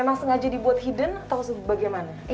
memang sengaja dibuat hidden atau bagaimana